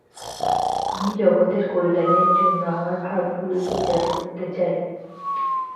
আমি জগতের কল্যাণের জন্য আমার ভাবগুলি প্রচার করতে চাই।